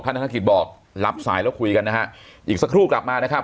ธนกิจบอกรับสายแล้วคุยกันนะฮะอีกสักครู่กลับมานะครับ